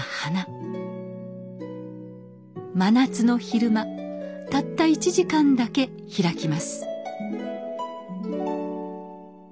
真夏の昼間たった１時間だけ開きます。